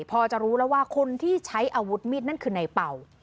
พอจะรู้แล้วว่าคนที่ใช้อาวุธมีดนั่นคือในเป่า